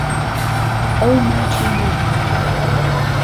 ئەو ماچی ناکات.